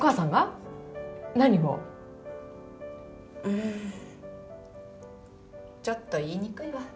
うんちょっと言いにくいわ。